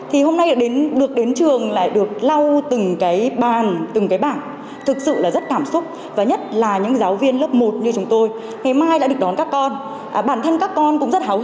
hãy đăng ký kênh để nhận thông tin nhất